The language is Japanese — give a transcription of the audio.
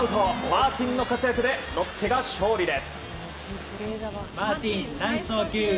マーティンの活躍でロッテが勝利です。